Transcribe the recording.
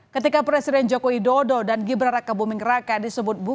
ketika presiden jokowi dodo dan gibra raka buming raka disebut bukanya